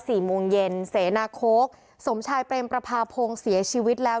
สี่โมงเย็นเสนาโค้กสมชายเปรมประพาพงศ์เสียชีวิตแล้ว